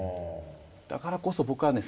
だからこそ僕はね